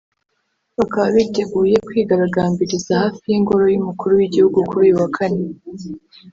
bakaba biteguye kwigaragambiriza hafi y’ingoro y’umukuru w’igihugu kuri uyu kane